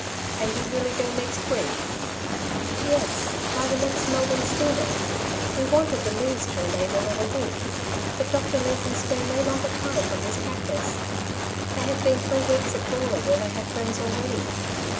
And you really go next week ?*' "Yes; by the next Melbourne steamer. We wanted the Leighs to remain another week : but Dr. Leigh can spare no longer time from his prac tice. They have been three weeks at Gawler, where they have friends, already.